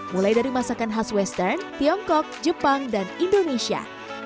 mulai dari masakan khas western tiongkok jepang dan indonesia